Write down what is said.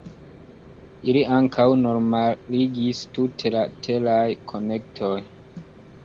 Ili ankaŭ normaligis tute la teraj konektoj.